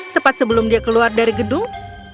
tepat sebelum dia keluar dari gedung